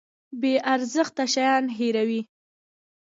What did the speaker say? بې ارزښته شیان هیروي.